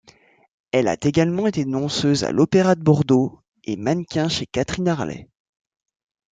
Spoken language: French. Elle a également été danseuse à l'opéra de Bordeaux et mannequin chez Catherine Harlé.